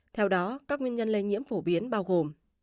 theo đó các nguyên nhân lây nhiễm phổ biến bao gồm